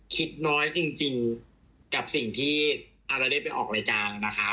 คิดน้อยจริงกับสิ่งที่อะไรได้ไปออกรายการนะคะ